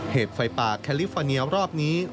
เหตุไฟป่าแคลิฟอร์เนียรอบนี้